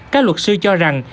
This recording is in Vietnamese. các luật sư cho rằng